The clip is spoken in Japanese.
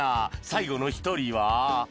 最後の一人は？